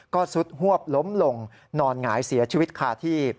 ก็ซุดหวบล้มลงนอนหงายเสียชีวิตคาที่